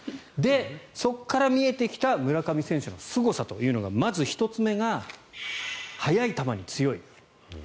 そこから見えてきた村上選手のすごさというのがまず１つ目が速い球に強い。